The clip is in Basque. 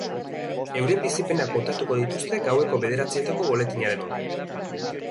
Euren bizipenak kontatuko dituzte gaueko bederitzatako boletinaren ondoren.